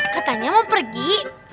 katanya mau pergi